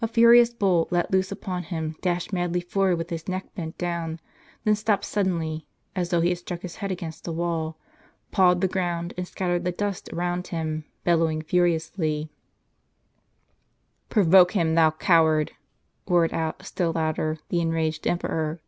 A furious bull, let loose npon him, dashed madly forward, with his neck bent down, then stopped suddenly, as though he had struck his head against a wall, pawed the ground, and scattered the dust around him, bellowing fiercely. "Provoke him, thou coward !" roared out, still louder, the enraged emperor.